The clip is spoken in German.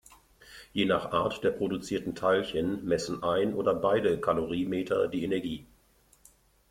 Je nach Art der produzierten Teilchen messen ein oder beide Kalorimeter die Energie.